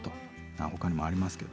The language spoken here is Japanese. ほかにもありますけど。